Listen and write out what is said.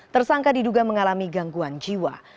tersangka diduga mengalami gangguan jiwa